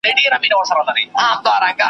بې خبره د سیلیو له څپېړو ,